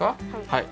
はい。